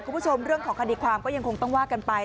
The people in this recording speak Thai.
คุณผู้ชมเรื่องของคดีความก็ยังคงต้องว่ากันไป